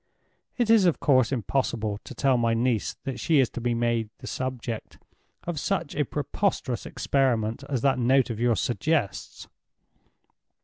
It is of course impossible to tell my niece that she is to be made the subject of such a preposterous experiment as that note of yours suggests.